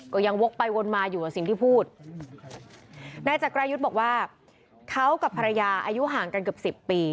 วกไปวนมาอยู่กับสิ่งที่พูดนายจักรายุทธ์บอกว่าเขากับภรรยาอายุห่างกันเกือบสิบปี